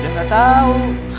dia nggak tau